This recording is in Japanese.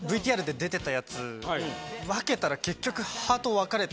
ＶＴＲで出てたやつ分けたら結局。